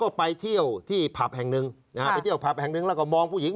ก็ไปเที่ยวที่ผับแห่งหนึ่งนะฮะไปเที่ยวผับแห่งหนึ่งแล้วก็มองผู้หญิง